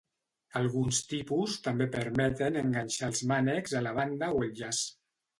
Alguns tipus també permeten enganxar els mànecs a la banda o el llaç.